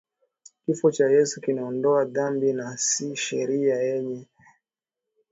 Kifo cha Yesu kinaondoa dhambi na sii Sheria yenyewe iliyovunjwa Kuzivunja ama kubadili zile